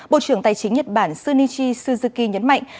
bộ trưởng tài chính nhật bản sunichi suzuki nhấn mạnh